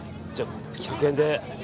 １００円で。